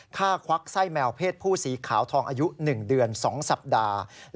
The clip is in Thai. ควักไส้แมวเพศผู้สีขาวทองอายุ๑เดือน๒สัปดาห์